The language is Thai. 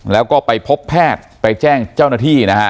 แล้วก็ไปพบแพทย์ไปแจ้งเจ้าหน้าที่นะฮะ